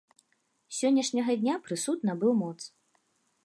З сённяшняга дня прысуд набыў моц.